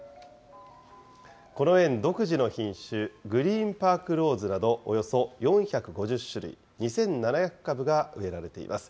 この園、独自の品種グリーンパークローズなど、およそ４５０種類、２７００株が植えられています。